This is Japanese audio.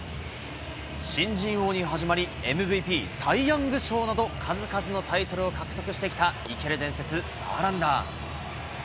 新人王に始まり、ＭＶＰ、サイ・ヤング賞など数々のタイトルを獲得してきた、生ける伝説、バーランダー。